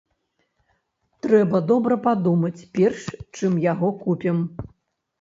Трэба добра падумаць перш, чым яго купім.